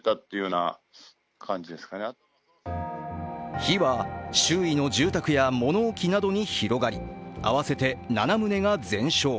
火は周囲の住宅や物置などに広がり、合わせて７棟が全焼。